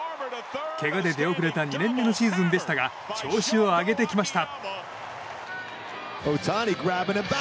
けがで出遅れた２年目のシーズンでしたが調子を上げてきました。